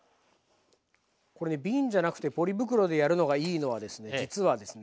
これね瓶じゃなくてポリ袋でやるのがいいのはですね実はですね